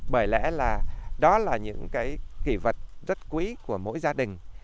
bởi lẽ là đó là những cái kỷ vật rất quý của mỗi gia đình